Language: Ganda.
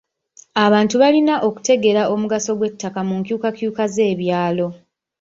Abantu balina okutegeera omugaso gw'ettaka mu nkyukakyuka z'ebyalo.